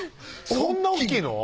そんな大っきいの？